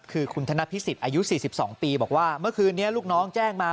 คือคุณธนพิสิทธิ์อายุ๔๒ปีบอกว่าเมื่อคืนนี้ลูกน้องแจ้งมา